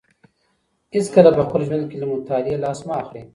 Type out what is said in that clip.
هېڅکله په خپل ژوند کي له مطالعې لاس مه اخلئ.